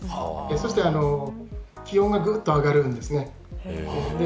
そして気温がぐっと上がるんですね。